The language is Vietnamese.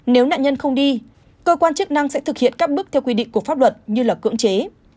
nếu nạn nhân không đi cơ quan chức năng sẽ thực hiện các bước theo quy định của pháp luật như là cưỡng chế